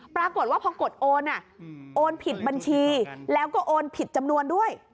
ปรากฏว่าพอกดโอนโอนผิดบัญชีแล้วก็โอนผิดจำนวนด้วย